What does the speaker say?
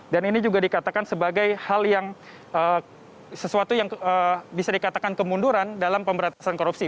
dan ini juga dikatakan sebagai hal yang sesuatu yang bisa dikatakan kemunduran dalam pemberantasan korupsi